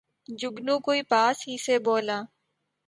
جگنو کوئی پاس ہی سے بولا